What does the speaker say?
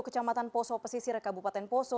kecamatan poso pesisir kabupaten poso